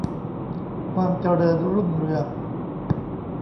ความเจริญรุ่งเรือง